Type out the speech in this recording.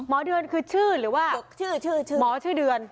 หมอเดือนคือชื่อหรือว่าหมอชื่อเดือน